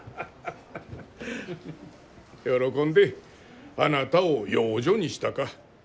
喜んであなたを養女にしたか。